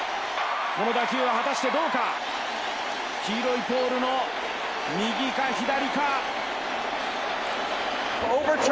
この打球は果たしてどうか黄色いポールの右か左か。